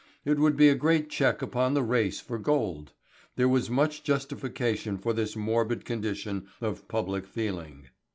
It would be a great check upon the race for gold. There was much justification for this morbid condition of public feeling.